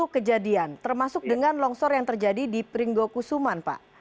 satu ratus dua puluh kejadian termasuk dengan longsor yang terjadi di pringgoku suman pak